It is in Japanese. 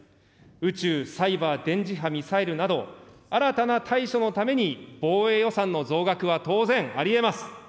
宇宙、サイバー、電磁波、ミサイルなど、新たな対処のために防衛予算の増額は当然ありえます。